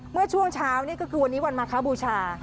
เมื่อช่วงเช้านี่ก็คือวันนี้วันมาคบูชา